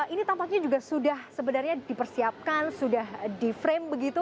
ini tampaknya juga sudah sebenarnya dipersiapkan sudah di frame begitu